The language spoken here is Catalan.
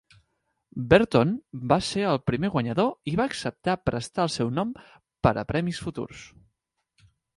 Berton va ser el primer guanyador i va acceptar prestar el seu nom per a premis futurs.